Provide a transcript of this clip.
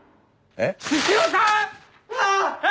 えっ？